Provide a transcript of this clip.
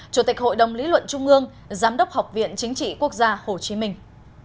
chủ tịch hội đồng lý luận trung ương giám đốc học viện chính trị quốc gia hồ chí minh